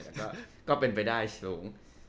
แต่ก็เป็นไปได้สูง